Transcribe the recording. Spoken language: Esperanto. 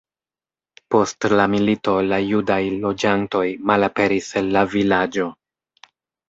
Post la milito la judaj loĝantoj malaperis el la vilaĝo.